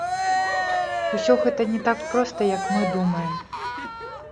Усё гэта не так проста, як мы думаем.